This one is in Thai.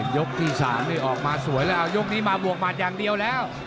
ยกที่๓นี่ออกมาสวยแล้วเอายกนี้มาบวกหมัดอย่างเดียวแล้ว